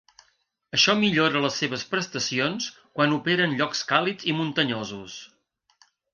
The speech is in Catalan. Això millora les seves prestacions quan opera en llocs càlids i muntanyosos.